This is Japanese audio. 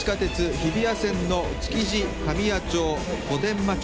日比谷線の築地神谷町小伝馬町